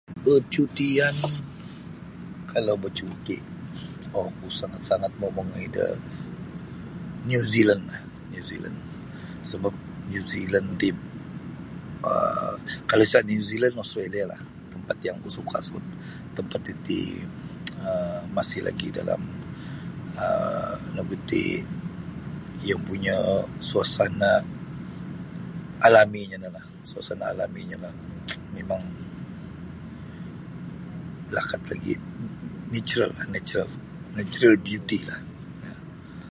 Pecutian kalau bacuti' oku sangat-sangat mau' mongoi da New Zealandlah New Zealand sebap New Zealand ti um kalau isa' New Zealand Australialah tempat yang kusuka' sebap tempat titi um masih lagi dalam um nu ogu iti iyo ompunyo suasana' alaminyo no lah suasana alaminyo no mimang lakat lagi' neturallah netural beutilah.